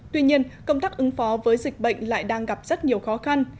tuy nhiên công tác ứng phó với dịch bệnh lại đang gặp rất nhiều khó khăn